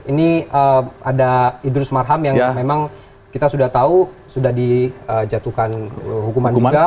ini ada idrus marham yang memang kita sudah tahu sudah dijatuhkan hukuman juga